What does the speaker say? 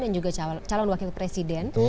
dan juga calon wakil presiden